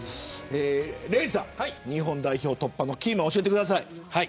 礼二さん、日本代表突破のキーマンを教えてください。